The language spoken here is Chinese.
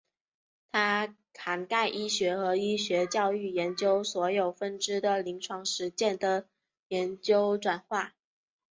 它涵盖医学和医学教育研究所有分支的临床实践的研究转化。